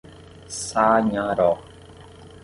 Sanharó